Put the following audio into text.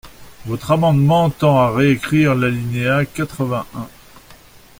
Votre amendement tend à réécrire l’alinéa quatre-vingt-un.